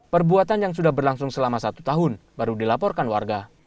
perbuatan yang sudah berlangsung selama satu tahun baru dilaporkan warga